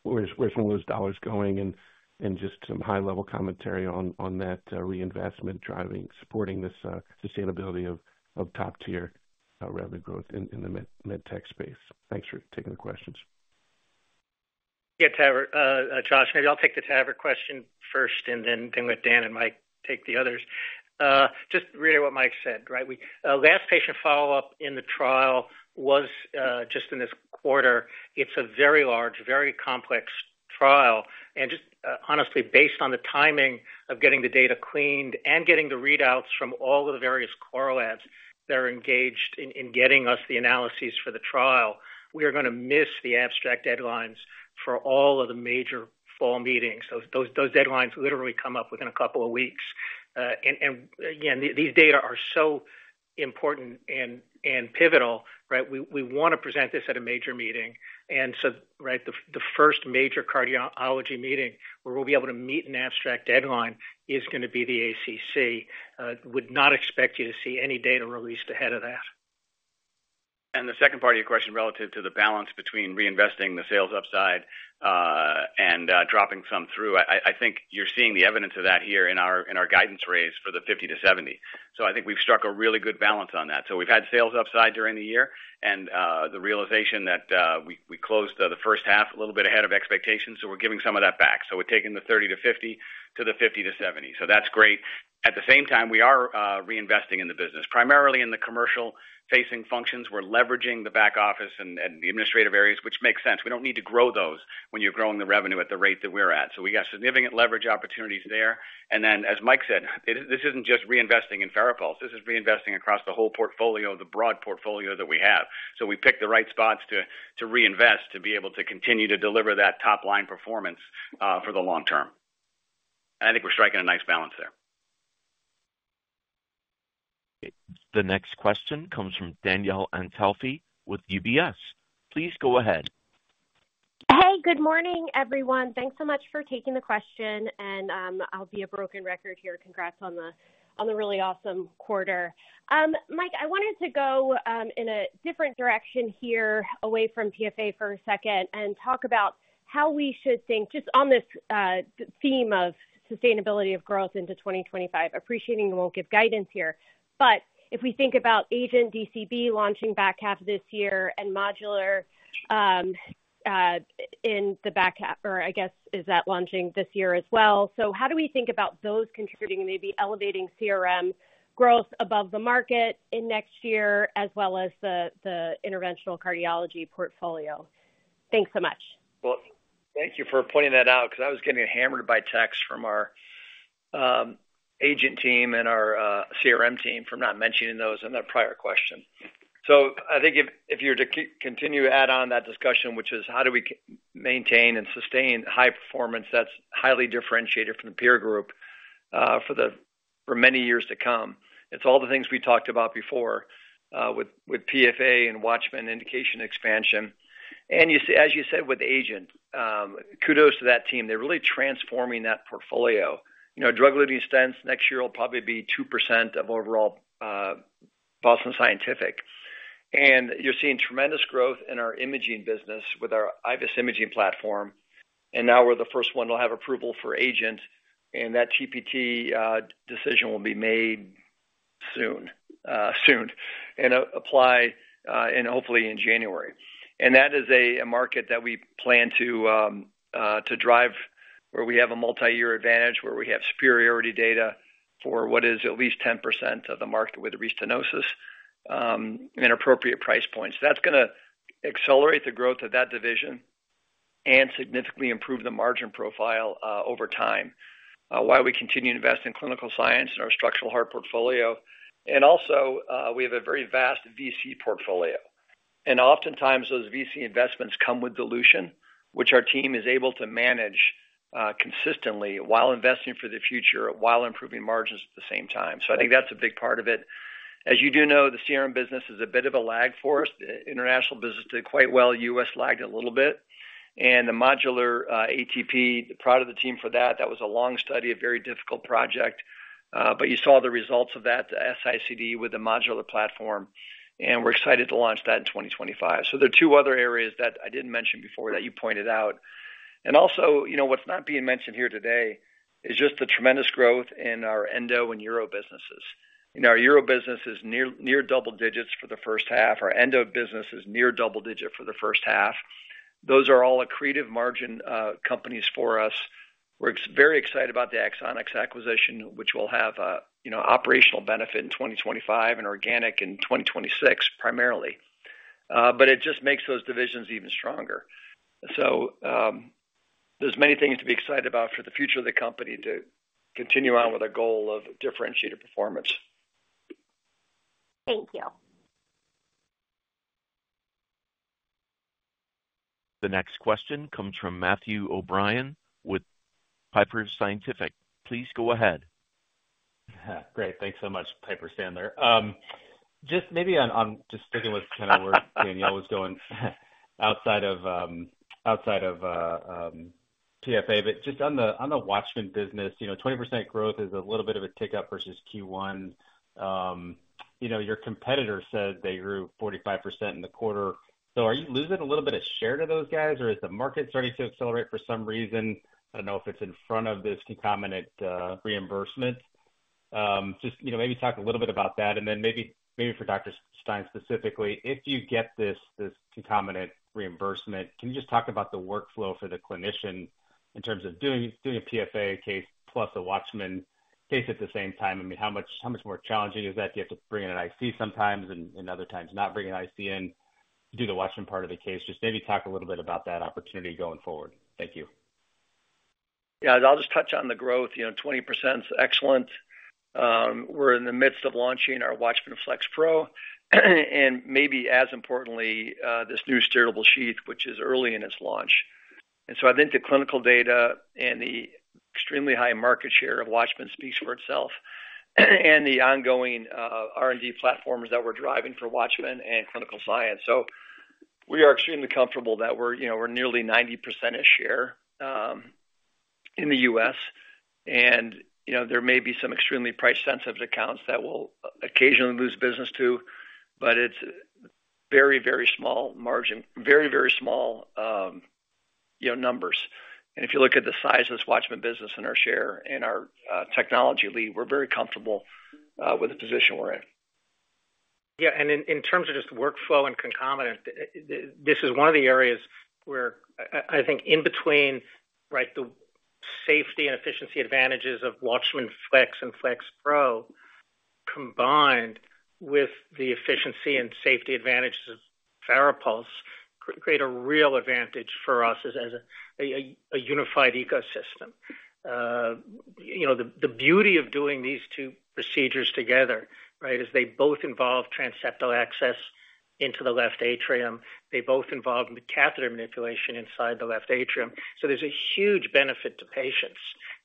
where some of those dollars going and just some high-level commentary on that reinvestment driving, supporting this sustainability of top-tier revenue growth in the med tech space. Thanks for taking the questions. Yeah, TAVR, Josh, maybe I'll take the TAVR question first, and then let Dan and Mike take the others. Just reiterate what Mike said, right? Last patient follow-up in the trial was just in this quarter. It's a very large, very complex trial. And just honestly, based on the timing of getting the data cleaned and getting the readouts from all of the various core labs that are engaged in getting us the analyses for the trial, we are going to miss the abstract deadlines for all of the major fall meetings. Those deadlines literally come up within a couple of weeks. And again, these data are so important and pivotal, right? We want to present this at a major meeting. And so, right, the first major cardiology meeting where we'll be able to meet an abstract deadline is going to be the ACC. Would not expect you to see any data released ahead of that. And the second part of your question relative to the balance between reinvesting the sales upside and dropping some through, I think you're seeing the evidence of that here in our guidance raise for the 50-70. So I think we've struck a really good balance on that. So we've had sales upside during the year and the realization that we closed the first half a little bit ahead of expectations. So we're giving some of that back. So we're taking the 30-50 to the 50-70. So that's great. At the same time, we are reinvesting in the business, primarily in the commercial-facing functions. We're leveraging the back office and the administrative areas, which makes sense. We don't need to grow those when you're growing the revenue at the rate that we're at. So we got significant leverage opportunities there. And then, as Mike said, this isn't just reinvesting in FARAPULSE. This is reinvesting across the whole portfolio, the broad portfolio that we have. So we picked the right spots to reinvest to be able to continue to deliver that top-line performance for the long term. And I think we're striking a nice balance there. The next question comes from Danielle Antalffy with UBS. Please go ahead. Hey, good morning, everyone. Thanks so much for taking the question. And I'll be a broken record here. Congrats on the really awesome quarter. Mike, I wanted to go in a different direction here, away from PFA for a second, and talk about how we should think just on this theme of sustainability of growth into 2025. Appreciating you won't give guidance here. But if we think about Agent DCB launching back half of this year and Modular in the back half, or I guess is that launching this year as well? So how do we think about those contributing, maybe elevating CRM growth above the market in next year, as well as the interventional cardiology portfolio? Thanks so much. Well, thank you for pointing that out because I was getting hammered by texts from our Agent team and our CRM team for not mentioning those in that prior question. So I think if you were to continue to add on that discussion, which is how do we maintain and sustain high performance that's highly differentiated from the peer group for many years to come, it's all the things we talked about before with PFA and WATCHMAN indication expansion. And as you said with Agent, kudos to that team. They're really transforming that portfolio. Drug-eluting stents next year will probably be 2% of overall Boston Scientific. And you're seeing tremendous growth in our imaging business with our IVUS imaging platform. Now we're the first one to have approval for AGENT. That TPT decision will be made soon and apply hopefully in January. That is a market that we plan to drive where we have a multi-year advantage where we have superiority data for what is at least 10% of the market with restenosis and appropriate price points. That's going to accelerate the growth of that division and significantly improve the margin profile over time. Why we continue to invest in clinical science and our structural heart portfolio. Also, we have a very vast VC portfolio. Oftentimes, those VC investments come with dilution, which our team is able to manage consistently while investing for the future, while improving margins at the same time. So I think that's a big part of it. As you do know, the CRM business is a bit of a lag for us. The international business did quite well. US lagged a little bit. And the MODULAR ATP, proud of the team for that. That was a long study, a very difficult project. But you saw the results of that, the S-ICD with the modular platform. And we're excited to launch that in 2025. So there are two other areas that I didn't mention before that you pointed out. And also, what's not being mentioned here today is just the tremendous growth in our Endo and Uro businesses. Our Uro business is near double digits for the first half. Our Endo business is near double digit for the first half. Those are all accretive margin companies for us. We're very excited about the Axonics acquisition, which will have operational benefit in 2025 and organic in 2026 primarily. But it just makes those divisions even stronger. So there's many things to be excited about for the future of the company to continue on with our goal of differentiated performance. Thank you. The next question comes from Matthew O'Brien with Piper Sandler. Please go ahead. Great. Thanks so much, Piper Sandler. Just maybe on just sticking with kind of where Danielle was going outside of PFA, but just on the WATCHMAN business, 20% growth is a little bit of a tick up versus Q1. Your competitor said they grew 45% in the quarter. So are you losing a little bit of share to those guys, or is the market starting to accelerate for some reason? I don't know if it's in front of this concomitant reimbursement. Just maybe talk a little bit about that. And then maybe for Dr. Stein specifically, if you get this concomitant reimbursement, can you just talk about the workflow for the clinician in terms of doing a PFA case plus a WATCHMAN case at the same time? I mean, how much more challenging is that? Do you have to bring in an IC sometimes and other times not bring an IC in to do the WATCHMAN part of the case? Just maybe talk a little bit about that opportunity going forward. Thank you. Yeah, I'll just touch on the growth. 20% is excellent. We're in the midst of launching our WATCHMAN FLX Pro and maybe as importantly, this new sterile sheath, which is early in its launch. And so I think the clinical data and the extremely high market share of WATCHMAN speaks for itself and the ongoing R&D platforms that we're driving for WATCHMAN and clinical science. So we are extremely comfortable that we're nearly 90%-ish share in the US. And there may be some extremely price-sensitive accounts that we'll occasionally lose business to, but it's very, very small margin, very, very small numbers. And if you look at the size of this WATCHMAN business and our share and our technology lead, we're very comfortable with the position we're in. Yeah. And in terms of just workflow and concomitant, this is one of the areas where I think in between, right, the safety and efficiency advantages of WATCHMAN FLX and FLX Pro combined with the efficiency and safety advantages of FARAPULSE create a real advantage for us as a unified ecosystem. The beauty of doing these two procedures together, right, is they both involve transseptal access into the left atrium. They both involve the catheter manipulation inside the left atrium. So there's a huge benefit to patients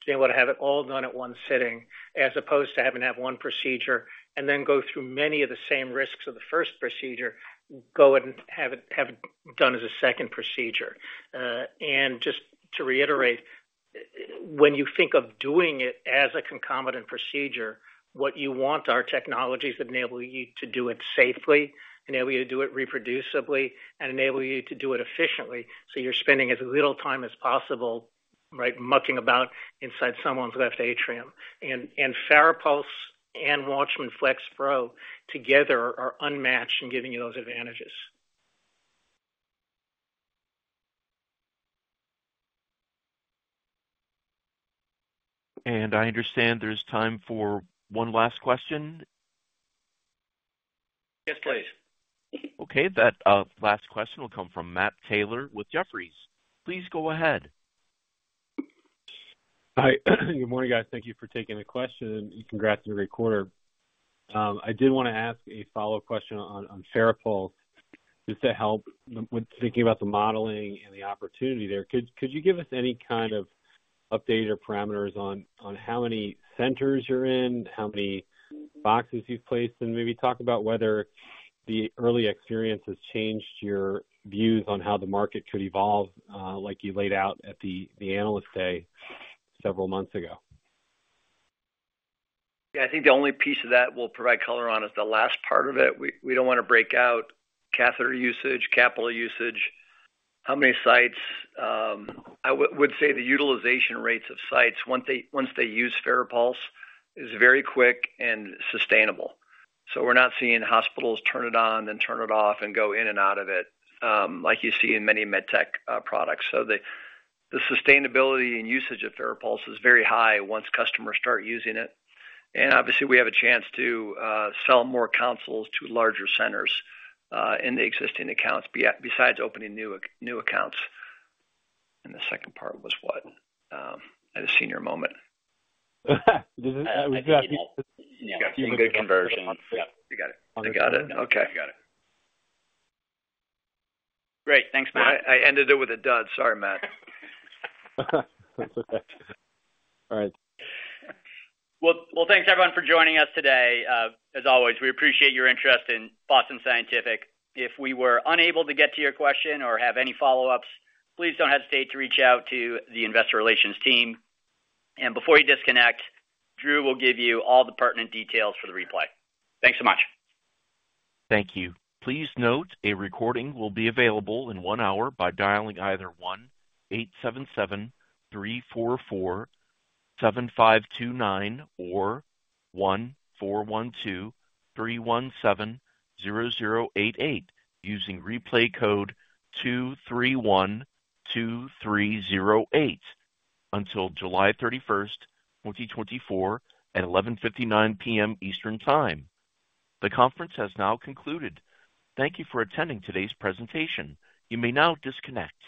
to be able to have it all done at one sitting as opposed to having to have one procedure and then go through many of the same risks of the first procedure, go and have it done as a second procedure. And just to reiterate, when you think of doing it as a concomitant procedure, what you want are technologies that enable you to do it safely, enable you to do it reproducibly, and enable you to do it efficiently. So you're spending as little time as possible, right, mucking about inside someone's left atrium. And FARAPULSE and WATCHMAN FLX Pro together are unmatched in giving you those advantages. And I understand there's time for one last question. Yes, please. Okay. That last question will come from Matt Taylor with Jefferies. Please go ahead. Hi. Good morning, guys. Thank you for taking the question. Congrats on your quarter. I did want to ask a follow-up question on FARAPULSE just to help with thinking about the modeling and the opportunity there. Could you give us any kind of updated parameters on how many centers you're in, how many boxes you've placed, and maybe talk about whether the early experience has changed your views on how the market could evolve, like you laid out at the analyst day several months ago? Yeah. I think the only piece of that we'll provide color on is the last part of it. We don't want to break out catheter usage, capital usage, how many sites. I would say the utilization rates of sites once they use FARAPULSE is very quick and sustainable. So we're not seeing hospitals turn it on, then turn it off, and go in and out of it, like you see in many med tech products. So the sustainability and usage of FARAPULSE is very high once customers start using it. And obviously, we have a chance to sell more consoles to larger centers in the existing accounts besides opening new accounts. And the second part was what? I had a senior moment. We've got some good conversions. Yeah. You got it. I got it. Okay. Great. Thanks, Matt. I ended it with a dud. Sorry, Matt. That's okay. All right. Well, thanks, everyone, for joining us today. As always, we appreciate your interest in Boston Scientific. If we were unable to get to your question or have any follow-ups, please don't hesitate to reach out to the investor relations team. Before you disconnect, Drew will give you all the pertinent details for the replay. Thanks so much. Thank you. Please note a recording will be available in one hour by dialing either 1-877-344-7529 or 1-412-317-0088 using replay code 231-2308 until July 31st, 2024, at 11:59 P.M. Eastern Time. The conference has now concluded. Thank you for attending today's presentation. You may now disconnect.